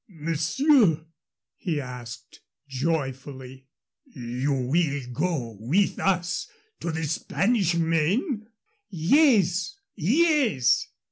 "Monsieur," he asked, joyfully, "you will go with us to the Spanish Main?" "Yes, yes!"